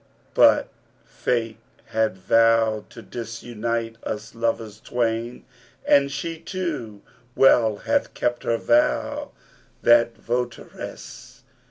But Fate had vowed to disunite us lovers twain, * And she too well hath kept her vow, that votaress.